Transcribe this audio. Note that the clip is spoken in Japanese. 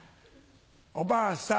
おばあさん。